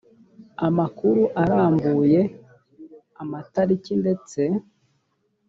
amakuru arambuye amatariki ndetse